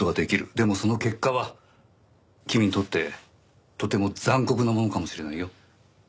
でもその結果は君にとってとても残酷なものかもしれないよ。